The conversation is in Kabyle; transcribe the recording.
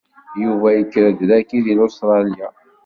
Yuba yekkred dagi di Lustṛali.